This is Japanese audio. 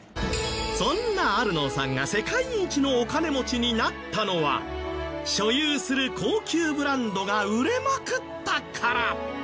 そんなアルノーさんが世界一のお金持ちになったのは所有する高級ブランドが売れまくったから。